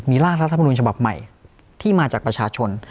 ร่างรัฐมนุนฉบับใหม่ที่มาจากประชาชน